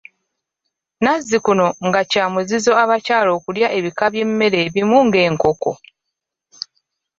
Nazzikuno nga kya muzizo abakyala okulya ebika by'emmere ebimu nga enkoko.